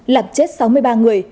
làm chết sáu mươi ba người